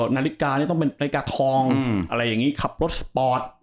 นาฬิกานี่ต้องเป็นนาฬิกาทองอะไรอย่างนี้ขับรถสปอร์ต